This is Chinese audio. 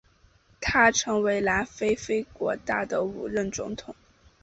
他成为南非非国大的第五任总统。